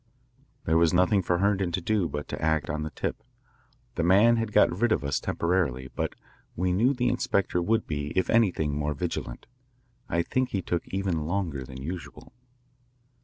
There was nothing for Herndon to do but to act on the tip. The man had got rid of us temporarily, but we knew the inspector would be, if anything, more vigilant. I think he took even longer than usual.